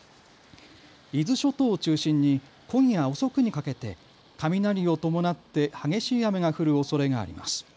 伊豆諸島を中心に今夜遅くにかけて雷を伴って激しい雨が降るおそれがあります。